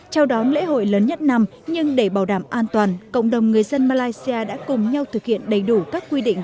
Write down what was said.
chào đón lễ hội lớn nhất năm nhưng để bảo đảm an toàn cộng đồng người dân malaysia đã cùng nhau thực hiện đầy đủ các quy định